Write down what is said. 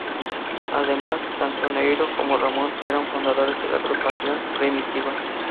Además, tanto Nerio como Ramón eran fundadores de la agrupación primitiva.